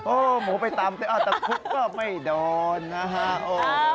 โอ้โฮหมูไปตามแต่กุ๊กก็ไม่โดนนะครับ